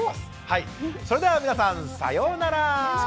はいそれでは皆さんさようなら！